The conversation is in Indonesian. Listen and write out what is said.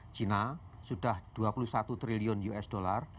cina sudah dua puluh satu triliun usd